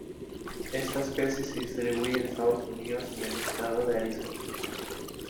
Esta especie se distribuye en Estados Unidos en el estado de Arizona.